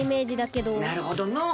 なるほどのう。